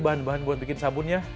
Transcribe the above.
bahan bahan buat bikin sabunnya